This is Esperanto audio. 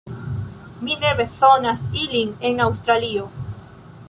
Mi ne bezonas ilin en Aŭstralio